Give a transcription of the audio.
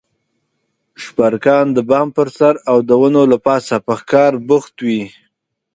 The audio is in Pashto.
شپرکان د بام پر سر او د ونو له پاسه په ښکار بوخت وي.